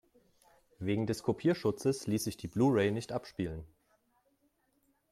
Wegen des Kopierschutzes ließ sich die Blu-ray nicht abspielen.